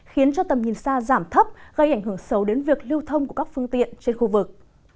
khiến cho tầm nhìn xa giảm thấp gây ảnh hưởng xấu đến việc lưu thông của các phương tiện trên khu vực